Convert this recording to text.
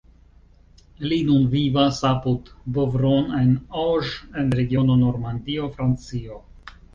Li nun vivas apud Beuvron-en-Auge, en regiono Normandio, Francio.